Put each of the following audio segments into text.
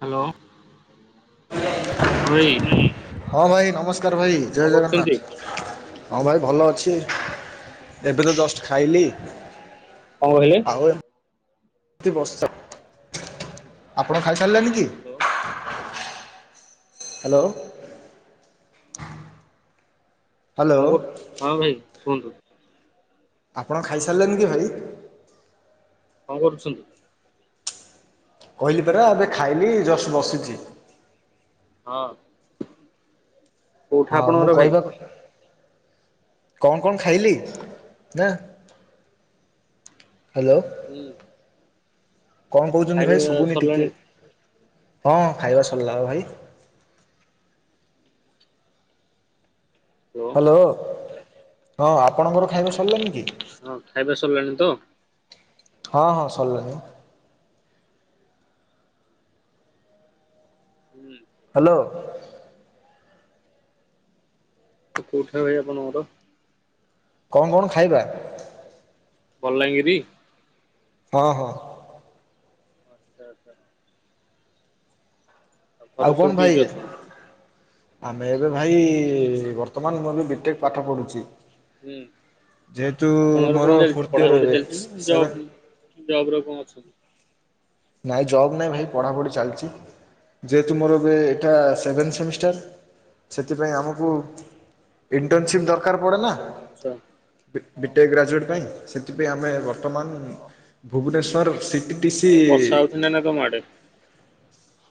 Hello ହଁ ଭାଇ। ହଁ ଭାଇ ନମସ୍କାର ଭାଇ କଣ ଜୟ କରୁଛନ୍ତି? ଜଗନ୍ନାଥ। ହଁ ଭାଇ ଭଲ ଅଛି ଏବେ ତ ଜଷ୍ଟ ଖାଇଲି। କଣ କହିଲେ? ଆଉ ଏମିତି ବସିଚି। ଆପଣ ଖାଇସାରିଲେଣିି କି? Hello hello. କଣ କରୁଚୁ ହଁ ଭାଇ କୁହନ୍ତୁ। ଆପଣ ଖାଇସାରିଲେଣି କି ଭାଇ? କଣ କରୁଛନ୍ତି? କହିଲି ପରା ଏବେ ଖାଇଲି ଜଷ୍ଟ ବସିଛି। ହଁ। କୋଉଠା ହଁ ମୁଁ ଆପଣଙ୍କର ଭାଇ? କହିବାକଥା କଣ କଣ ଖାଇଲି ନା ହାଲୋ। ହୁଁ। କଣ ଆଉ କହୁଛନ୍ତି ଖାଇବା ଭାଇ ଶୁଭୁନି ଟିକେ ସରିଲାଣି? ହଁ ଖାଇବା ସରିଲା ଭାଇ। ହ୍ୟାଲୋ ହ୍ୟାଲୋ ହଁ ଆପଣଙ୍କର ଖାଇବା ସରିଲାଣିି କି? ହଁ ଖାଇବା ସରିଲାଣି ତ? ହଁ ହଁ ଶରିଲାଣି। ହୁଁ। ହାଲୋ। କୋଉଠି ଭ ଆପଣଙ୍କ ଘର କଣ କଣ ଖାଇବା? ବଲାଙ୍ଗିର? ହଁ ହଁ। ଆଚ୍ଛା ଆଚ୍ଛା। ଘରେ ଆଉ ସବୁ କଣ କିଏ କିଏ ଭାଇ? ଅଛନ୍ତି? ଆମେ ଏବେ ଭାଇ ବର୍ତ୍ତମାନ ମୁଁ ଏବେ ବିଟେକ୍ ପାଠ ପଢୁଛି। ହୁଁ ଯେହେତୁ ଆପଣଙ୍କର କଣ ମୋର ଚାଲିଛି ଫୋରତ ଇଅର ଏବେ। ୟା ପରେ କଣ ଅଛି? ନାଇଁ ଜବ୍ ନାହିଁ ଭାଇ ପଢ଼ାପଢ଼ି ଚାଲିଛି। ଯେହେତୁ ମୋର ଏବେ ଏଟା ସେଭେନ୍ ସେମିଷ୍ଟାର ସେଥିପାଇଁ ଆମକୁ ଇଣ୍ଟନସିପ୍ ଦରକାର ପଡ଼େ ନା? ଆଚ୍ଛା। ହଁ ବିଟେ ଗ୍ରାଜୁଏଟ୍ ପାଇଁ ସେଥିପାଇଁ ଆମେ ବର୍ତ୍ତମାନ ଭୁବନେଶ୍ୱର ଡି ସି ଆଉ ବର୍ଷା ହଉଛି ନା ନା ତମ ଆଡେ?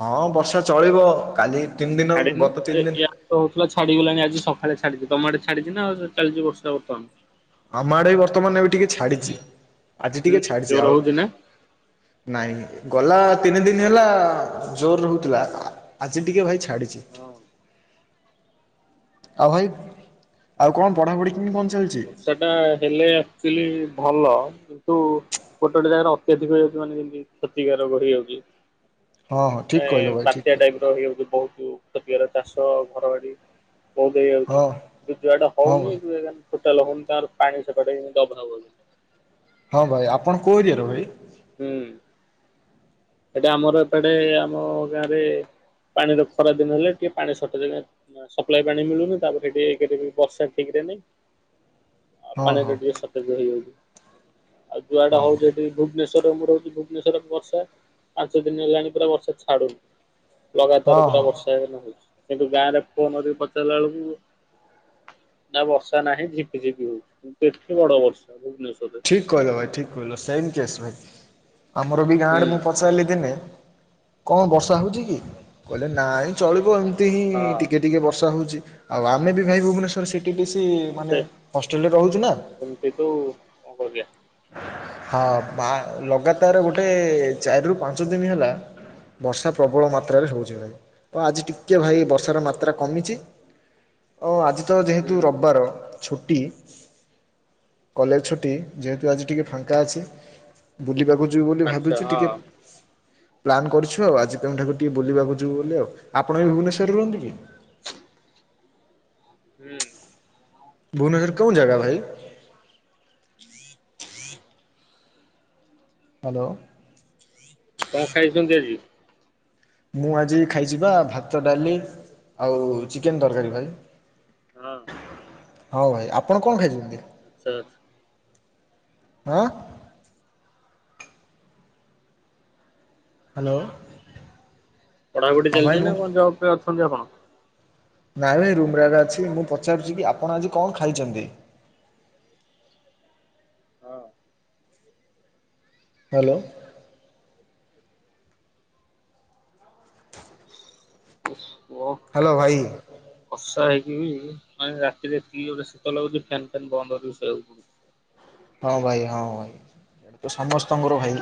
ହଁ ବର୍ଷା ଚଳିବ କାଲି ତିନି ଦିନ ଛାଡିନି। ଗତ ତିନି ଦିନ ତ ହୋଉଥୁଲା ଛାଡ଼ି ଗଲାଣି ଆଜି ସଖାଳେ ଛାଡ଼ିଚି ତମ ଆଡ଼େ ଛାଡି଼ଚି ନା ଆଉ ଚାଲିଚି ବର୍ଷା ବର୍ତ୍ତମାନ? ଆମ ଆଡ଼େ ବି ବର୍ତ୍ତମାନ ଏବେ ଟିକେ ଛାଡି଼ଚି ଆଜି ହୁଁ ଟିକେ ଛାଡି଼ଚି ଜୋର ଆଉ ହଉଛି ନା? ନାହିଁ ‌। ଗଲା ତିନି ଦିନ୍ ହେଲା ଜୋର୍ ହୋଉଥୁଲା ଆ ଆଜି ଟିକେ ଭାଇ ଛାଡି଼ଚି। ହଁ। ଆଉ ଭାଇ ଆଉ କଣ ପଢ଼ାପଢି କେମିତି କଣ ଚାଲଚି? ସେଟା ହେଲେ ଆକ୍ଚୁଲି ଭଲ କିନ୍ତୁ ଗୋଟ ଗୋଟେ ଜାଗାରେ ଅତ୍ୟାଧିକ ହେଇଯାଉଛି ମାନେ ଯେମିତି କ୍ଷତିକାରକ ହେଇଯାଉଚି। ହଁ ହଁ ଠିକ ନେ କହିଲ ଭାଇ ଠିକ ବାତ୍ୟା କହିଲ ଟାଇପ୍ ର ହେଇଯାଉଚି ବହୁତ କ୍ଷତିକାର ଚାଷ ଘର ବାଡ଼ି। ବୋହୁତ ହେଇଯାଉଚି ହଁ ଯେ ଯୁଆଡ଼େ ହଁ ହଉନି ଭାଇ ତୁ ଏ ଗାନ୍ ଟୋଟାଲ୍ ହଉନି ତାଙ୍କର ପାଣି ସେପଟେ ଇଁ ଅଭାବ ହଉଚନ୍ତି। ହଁ ଭାଇ ଆପଣ କୋଉ ଏରିଆର ଭାଇ? ଉଁ ଏଟା ଆମର ଏପଟେ ଆମ ଗାଁରେ ପାଣିର ଖରା ଦିନ ହେଲେ ଟିକେ ପାଣି ସଟେଜ୍ କାଇଁ ନାଁ ସପ୍ଲାାଏ ପାଣି ମିଳୁନି ତାପରେ ହେଠି କେତେ ବି ବର୍ଷା ଠିକରେ ନାଇଁ। ଆ ହଁ ପାଣିର ହଁ ଟିକେ ସଟେଜ୍ ହେଇଯାଉଚି ଆଉ ଯୁଆଡ଼େ ହଁ ହଉ ହଁ। ଯଦି ଭୁବନେଶ୍ୱରର ମୁଁ ରହୁଚି ଭୁବନେଶ୍ୱର ବର୍ଷା ପାଞ୍ଚ ଦିନ ହେଲାଣି ପୁରା ବର୍ଷା ଛାଡ଼ୁନି। ହଁ ଲଗାତାର ପୁରା ହଁ ବର୍ଷା ଏବେ ନା ହଉଚି କିନ୍ତୁ ଗାଁରେ ଫୋନ୍ ରେ ପଚାରଲା ଅଳୁକୁ ନାଁ ବର୍ଷା ନାହିଁ ଝିପି ଝିପି ହୋଉଚି କିନ୍ତୁ ଏଠି ବଡ଼ ବର୍ଷା ଭୁବନେଶ୍ଵରରେ। ଠିକ୍ କହିଲ ଭାଇ ଠିକ୍ କହିଲ ସେମ୍ କେସ୍ ଭାଇ ଆମର ବି ଗାଁ ହୁଁ ଆଡ଼େ ମୁଁ ପଚାରଲି ଦିନେ କଁ ବର୍ଷା ହୋଉଚି କି କଇଲେ ନାଇଁ ଚଳିବ ଏମତି ହିଁ ହଁ ଟିକେ ଟିକେ ବର୍ଷା ହୋଉଚି। ଆଉ ଆମେ ବି ଭାଇ ଭୁବନେଶ୍ୱର ସିଟି ଡି ସି ମାନେ ହଷ୍ଟେଲ୍ ରେ ରହୁଚୁ ନା। ଏମତି ତୁ କଁ କରିବା? ହଁ ବା ଲଗାତର ଗୋଟେ ଚାରିରୁ ପାଞ୍ଚ ଦିନ ହେଲା ବର୍ଷା ପ୍ରବଳ ମାତ୍ରାରେ ହୋଉଚି ନାଁ କଁ? ତ ଆଜି ଟିକେ ଭାଇ ବର୍ଷାର ମାତ୍ରା କମିଚି ଅ ଆଜି ତ ଯେହେତୁ ହୁଁ ରବାର ଛୁଟି କଲେଜ୍ ଛୁଟି ଯେହେତୁ ଆଜି ଟିକେ ଫାଙ୍କା ଅଛି ବୁଲିବାକୁ ଯିବୁ ବୋଲି ଆଚ୍ଛା ଭାବୁଚୁ ହଁ ଟିକେ ପ୍ଲାନ୍ କରିଛୁ ଆଉ ଆଜି କେଉଁଠାକୁ ଟିକେ ବୁଲିବାକୁ ଯିବୁ ବୋଲି ଆଉ। ଆପଣ ବି ଭୁବନେଶ୍ୱରରେ ରୁହନ୍ତି କି? ହୁଁ। ଭୁବନେଶ୍ୱର କୋଉଁ ଜାଗା ଭାଇ? ଜ ଜ ହାଲୋ। କଁ ଖାଇଛନ୍ତି ଆଜି? ମୁଁ ଆଜି ଖାଇଚି ପା ଭାତ ଡାଲି ଆଉ ଚିକେନ୍ ତରକାରୀ ଭାଇ। ହଁ। ହଁ ଭାଇ ଆପଣ କଁ ଖାଇଛନ୍ତି? ଆଚ୍ଛା ଆଚ୍ଛ୍ ଅଁ? ହାଲୋ। ପଢ଼ାପଢି ଚାଲିଚି ନାଁ କଣ ଜବ୍ ପାଇ ଅଛନ୍ତି ଆପଣ? ନାଇଁ ଭାଇ ରୁମ୍ ରେ ଆଗା ଅଛି ମୁଁ ପଚାରୁଚି କି ଆପଣ ଆଜି କଁ ଖାଇଛନ୍ତି। ହଁ। ହ୍ୟାଲୋ। କୁକ। ହାଲୋ ଭାଇ। ବର୍ଷା ହେଇକି ବି ମାନେ ରାତିରେ ଏତିକି ଗୋଟେ ଶୀତ ଲାଗୁଚି ଫ୍ୟାନ୍ ଫ୍ୟାନ୍ ବନ୍ଦ କରି ଶୋଇବାକୁ ପଡ଼ୁ ହଁ ଭାଇ ହଁ ଭାଇ ଏମତି ସମସ୍ତଙ୍କର ଭାଇ।